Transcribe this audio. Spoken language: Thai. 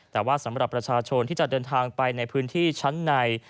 แต่ว่าสำหรับประชาชนที่จะเดินทางไปในพื้นที่ชั้นใน